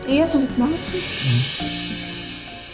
iya sosius banget sih